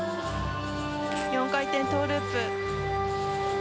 ４回転トーループ。